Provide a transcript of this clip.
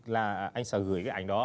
là anh sẽ gửi cái ảnh đó